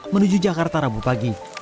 menuju jakarta rabu pagi